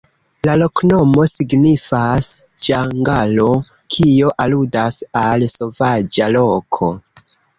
La loknomo signifas: ĝangalo, kio aludas al sovaĝa loko.